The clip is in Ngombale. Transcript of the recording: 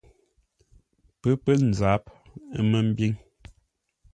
Pə́ pə̂ nzáp, ə́ mə́ mbíŋ: